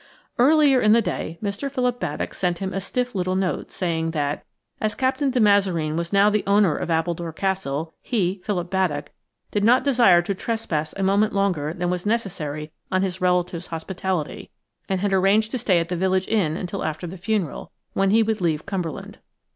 Earlier in the day, Mr. Philip Baddock sent him a stiff little note, saying that, as Captain de Mazareen was now the owner of Appledore Castle, he (Philip Baddock) did not desire to trespass a moment longer than was necessary on his relative's hospitality, and had arranged to stay at the village inn until after the funeral, when he would leave Cumberland.